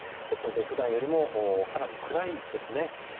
ですので、普段よりもかなり暗いですね。